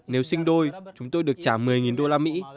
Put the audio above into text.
nếu sinh đôi chúng tôi được trả một mươi đô la mỹ